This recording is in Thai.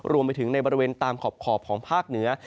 รวมไปถึงในบริเวณตามขอบของภาคเหนือ